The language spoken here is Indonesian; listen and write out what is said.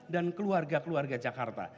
dan keluarga keluarga jakarta